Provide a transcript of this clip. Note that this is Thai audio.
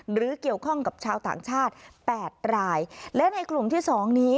หรือเกี่ยวข้องกับชาวต่างชาติแปดรายและในกลุ่มที่สองนี้